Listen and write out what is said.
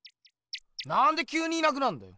なんできゅうにいなくなんだよ！